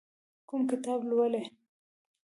کوم کتاب لولئ؟